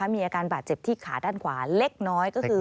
มีอาการบาดเจ็บที่ขาด้านขวาเล็กน้อยก็คือ